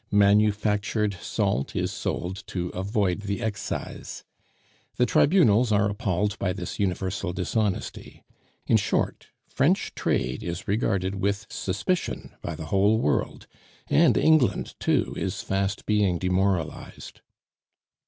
Manufactured salt is sold to avoid the excise. The tribunals are appalled by this universal dishonesty. In short, French trade is regarded with suspicion by the whole world, and England too is fast being demoralized.